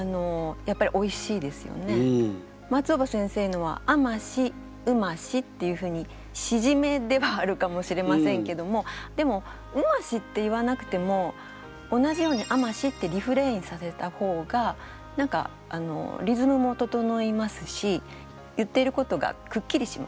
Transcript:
松尾葉先生のは「甘しうまし」っていうふうにしじめではあるかもしれませんけどもでも「うまし」って言わなくても同じように「甘し」ってリフレインさせた方が何かリズムも整いますし言っていることがくっきりしますよね。